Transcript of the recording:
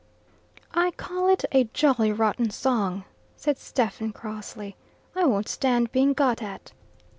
"I call it a jolly rotten song," said Stephen crossly. "I won't stand being got at."